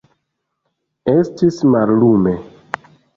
Estis mallume.